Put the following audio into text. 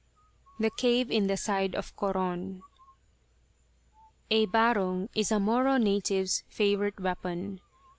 THE CAVE IN THE SIDE OF CORON A "barong" is a Moro native's favourite weapon.